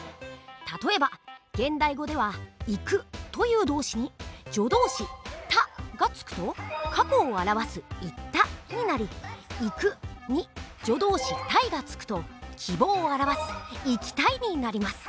例えば現代語では「行く」という動詞に助動詞「た」がつくと過去を表す「行った」になり「行く」に助動詞「たい」がつくと希望を表す「行きたい」になります。